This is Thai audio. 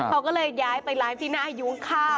เขาก็เลยย้ายไลฟ์ที่น่าอายุออกครอก